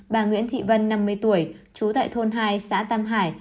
bà nguyễn thị vân năm mươi tuổi trú tại thôn hai xã tam hải